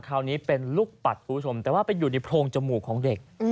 คราวนี้เป็นลูกปัดคุณผู้ชมแต่ว่าไปอยู่ในโพรงจมูกของเด็ก